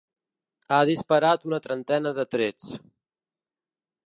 Ha disparat una trentena de trets.